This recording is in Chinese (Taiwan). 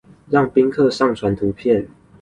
讓賓客上傳圖片